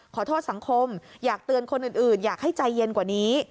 ขอโทษสังคมอยากเตือนคนอื่นอยากให้ใจเย็นกว่านี้